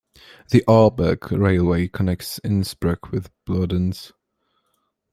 The Arlberg railway connects Innsbruck with Bludenz.